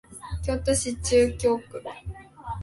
京都市中京区